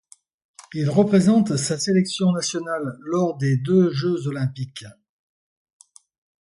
Il représente sa sélection nationale lors de deux Jeux olympiques.